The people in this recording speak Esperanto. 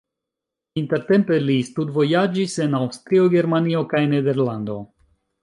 Intertempe li studvojaĝis en Aŭstrio, Germanio kaj Nederlando.